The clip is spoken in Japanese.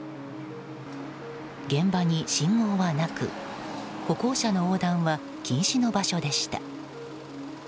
現場に信号はなく歩行者の横断は禁止の場所でした。